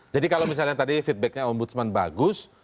jadi kalau misalnya tadi feedbacknya ombudsman bagus